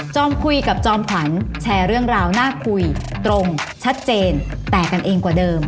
คุยกับจอมขวัญแชร์เรื่องราวน่าคุยตรงชัดเจนแตกกันเองกว่าเดิม